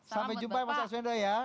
sampai jumpa mas arswendo ya